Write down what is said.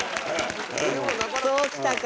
そうきたか！